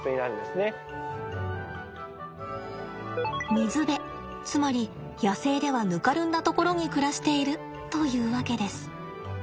水辺つまり野生ではぬかるんだところに暮らしているというわけです。